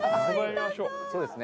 そうですね。